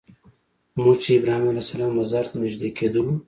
موږ چې ابراهیم علیه السلام مزار ته نږدې کېدلو.